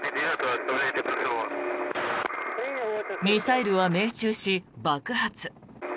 ミサイルは命中し、爆発。